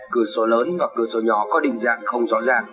cửa sổ lớn và cửa sổ nhỏ có định dạng không rõ ràng